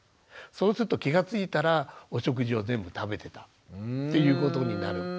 そうすると気が付いたらお食事を全部食べてたっていうことになる。